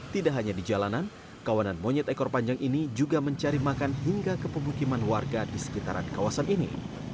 tidak hanya di jalanan kawanan monyet ekor panjang ini juga mencari makan hingga ke pemukiman warga di sekitaran kawasan ini